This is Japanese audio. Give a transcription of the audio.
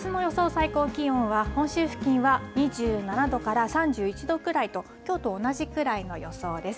最高気温は、本州付近は２７度から３１度くらいと、きょうと同じくらいの予想です。